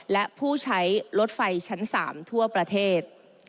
และผู้ใช้รถไฟชั้น๓ทั่วประเทศ